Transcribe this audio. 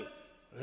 「え？